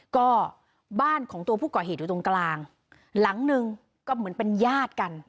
ก็บ้านของตัวผู้ก่อเหตุอยู่ตรงกลางหลังหนึ่งก็เหมือนเป็นญาติกัน